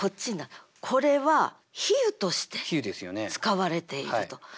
これは比喩として使われていると。